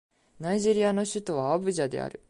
ナイジェリアの首都はアブジャである